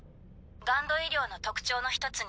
ＧＵＮＤ医療の特徴の一つに。